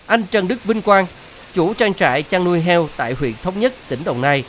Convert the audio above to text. anh trần đức vinh quang chủ trang trại chăn nuôi heo tại huyện thống nhất tỉnh đồng nai